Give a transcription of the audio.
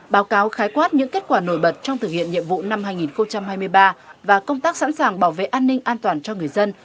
báo cáo khái quát những kết quả nổi bật trong thực hiện nhiệm vụ năm hai nghìn hai mươi ba và công tác sẵn sàng bảo vệ an ninh an toàn cho người dân